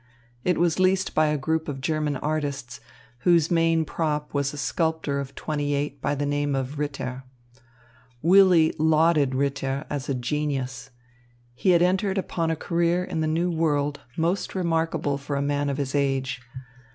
It was leased by a group of German artists, whose main prop was a sculptor of twenty eight by the name of Ritter. Willy lauded Ritter as a genius. He had entered upon a career in the New World most remarkable for a man of his age.